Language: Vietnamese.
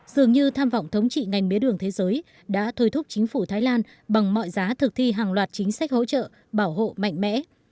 dường như tham vọng thống trị ngành mía đường thế giới đã thôi thúc chính phủ thái lan bằng mọi giá thực thi hàng loạt chính sách hỗ trợ bảo hộ mạnh mẽ